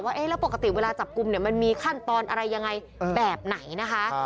ว่าปกติเวลาจับกุมมันมีขั้นตอนอะไรยังไงแบบไหนนะคะ